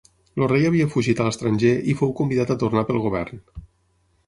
El rei havia fugit a l'estranger i fou convidat a tornar pel govern.